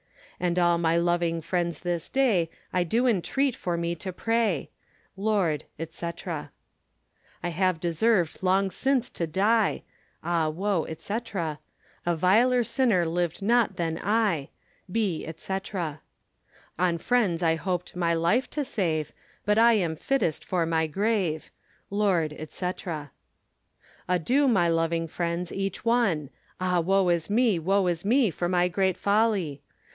And all my loving friends this day I do intreate for me to pray. Lord, &c. I have deserved long since to die: Ah woe, &c. A viler sinner livde not then I, Be, &c. On friends I hopte my life to save, But I am fittest for my grave. Lord, &c. Adue my loving friends, each one: Ah woe is me, woe is me, for my great folly!